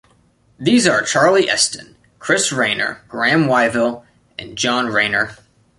These are Charlie Elston, Chris Raynor, Graham Wyvill and John Raynor.